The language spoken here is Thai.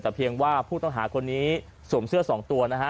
แต่เพียงว่าผู้ต้องหาคนนี้สวมเสื้อสองตัวนะฮะ